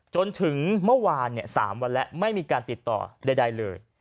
จนถึงเมื่อวาน๓วันแล้วไม่มีการติดต่อใดเลย